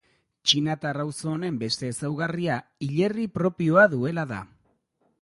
Txinatar auzo honen beste ezaugarria hilerri propioa duela da.